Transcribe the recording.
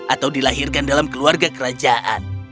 atau dilahirkan dalam keluarga kerajaan